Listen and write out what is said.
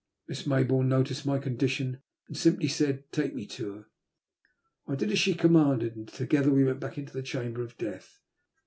Miss Maybourne noticed my condition, and simply said, '^ Take me to her." I did as she commanded, and together we went back to the chamber of death.